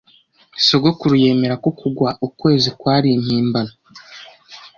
Sogokuru yemera ko kugwa ukwezi kwari impimbano.